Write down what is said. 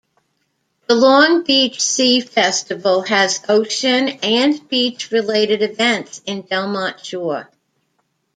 The Long Beach Sea Festival has ocean- and beach-related events in Belmont Shore.